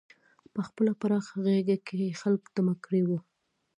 په خپله پراخه غېږه کې یې خلک دمه کړي وو.